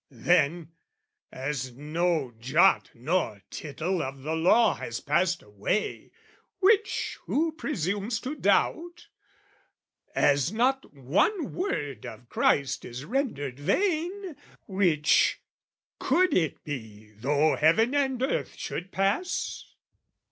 Then, as no jot nor tittle of the Law Has passed away which who presumes to doubt? As not one word of Christ is rendered vain Which, could it be though heaven and earth should pass?